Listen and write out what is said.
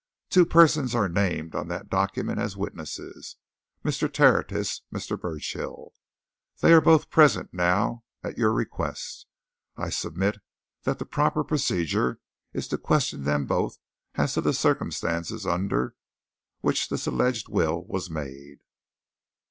Two persons are named on that document as witnesses: Mr. Tertius, Mr. Burchill. They are both present now; at your request. I submit that the proper procedure is to question them both as to the circumstances under which this alleged will was made."